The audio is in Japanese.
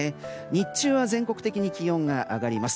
日中は全国的に気温が上がります。